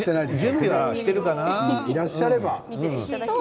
いらっしゃれば。